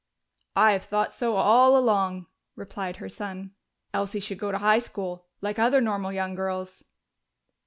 "I have thought so all along," replied her son. "Elsie should go to high school, like other normal young girls."